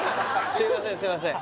すいませんすいません